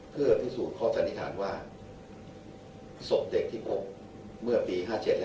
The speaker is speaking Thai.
เพื่อพิสูจน์ข้อสันนิษฐานว่าศพเด็กที่พบเมื่อปี๕๗